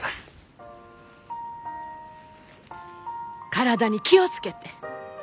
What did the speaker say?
体に気を付けて。